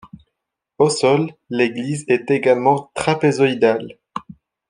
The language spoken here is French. Au sol l’église est également trapézoïdale.